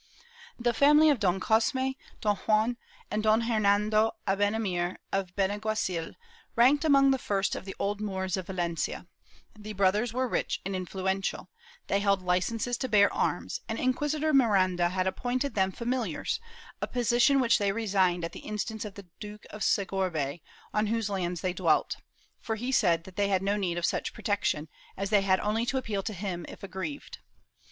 The family of Don Cosme, Don Juan and Don Hernando Abenamir of Benaguacil ranked among the first of the old Moors of Valencia; the brothers were rich and influential; they held licences to bear arms, and Inquisitor Miranda had appointed them familiars — a position which they resigned at the instance of the Duke of Segorbe, on whose lands they dwelt, for he said that they had no need of such protection, as they had only to appeal to him if aggrieved.